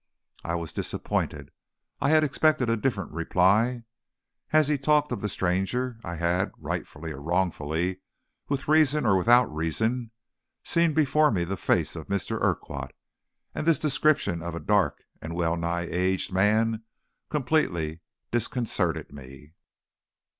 I was disappointed. I had expected a different reply. As he talked of the stranger, I had, rightfully or wrongfully, with reason or without reason, seen before me the face of Mr. Urquhart, and this description of a dark and well nigh aged man completely disconcerted me.